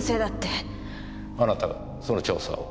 あなたがその調査を？